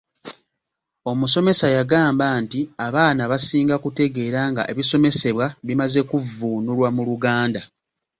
Omusomesa yagamba nti abaana basinga kutegeera nga ebisomesebwa bimaze kuvvuunulwa mu Luganda.